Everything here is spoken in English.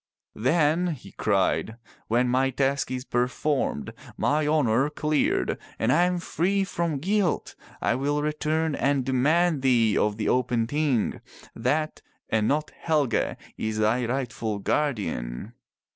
"Then," he cried, '*when my task is performed, my honor cleared, and I am free from guilt, I will return and demand thee of the open Ting. That and not Helge is thy rightful guardian."